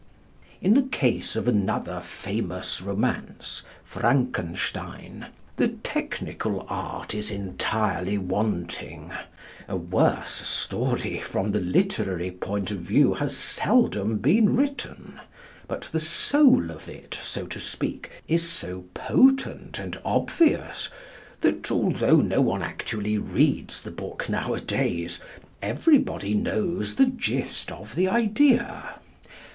In the case of another famous romance "Frankenstein" the technical art is entirely wanting: a worse story from the literary point of view has seldom been written. But the soul of it, so to speak, is so potent and obvious that, although no one actually reads the book nowadays, everybody knows the gist of the idea.